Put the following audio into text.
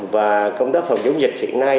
và công tác phòng chống dịch hiện nay